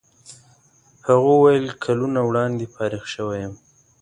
هغه وویل کلونه وړاندې فارغ شوی یم.